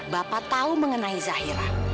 bapak tahu mengenai zahira